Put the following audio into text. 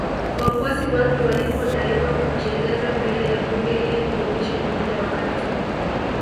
Wafuasi wake walipodaiwa kujieleza mbele ya Bunge ili kurudisha umoja wa kanisa